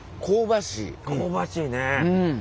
香ばしいね。